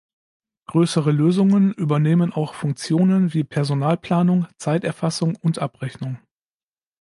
Größere Lösungen übernehmen auch Funktionen wie Personalplanung, Zeiterfassung und Abrechnung.